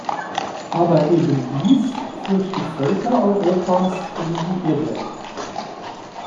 Aber eben dies führt die Völker Europas in die Irre.